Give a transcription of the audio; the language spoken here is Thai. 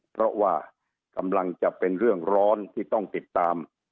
เพราะว่ากำลังจะเป็นเรื่องร้อนที่ต้องติดตาม